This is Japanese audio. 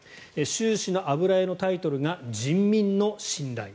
習氏の油絵のタイトルが「人民の信頼」。